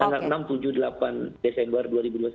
tanggal enam tujuh puluh delapan desember dua ribu dua puluh satu